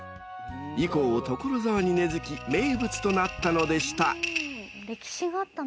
［以降所沢に根付き名物となったのでした］